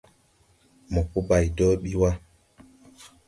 Mopo bay do ɓi wa.